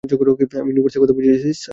আমি ইউনিভার্সের কথা বুঝিয়েছি, স্যার।